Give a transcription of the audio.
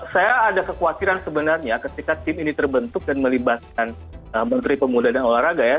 saya ada kekhawatiran sebenarnya ketika tim ini terbentuk dan melibatkan menteri pemuda dan olahraga ya